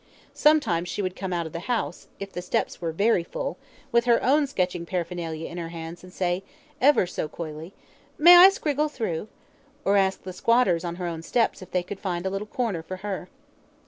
Sometimes she would come out of the house, if the steps were very full, with her own sketching paraphernalia in her hands and say, ever so coyly: "May I scriggle through?" or ask the squatters on her own steps if they could find a little corner for her.